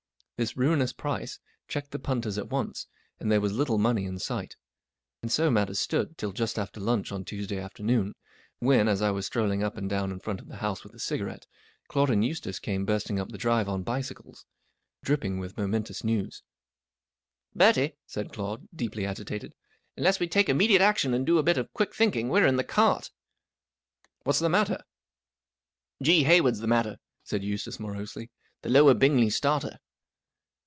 This ruinous price checked the punters at once, and there was little money in sight. And so matters stood till just after lunch on Tuesday afternoon, when, as I was strolling up and down in front of the house with a cigarette, Claude and Eustace came bursting up the drive on bicycles, dripping with 'momentous news. 41 Bertie/' said Claude, deeply agitated, 44 unless we take immediate action and do a bit of quick thinking, we're in the cart." 44 What's the matter ?"" G. Hayward's the matter," said Eustace, morosely. 44 The Lower Bingley starter."